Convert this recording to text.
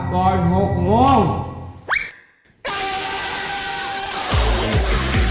บอกแล้วไงให้กลับ